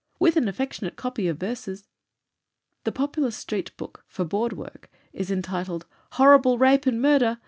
With an affectionate copy of verses." A popular street book for "board work" is entitled "Horrible Rape and Murder!!!